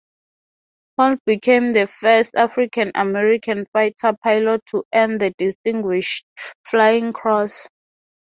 Hall became the first African American fighter pilot to earn the Distinguished Flying Cross.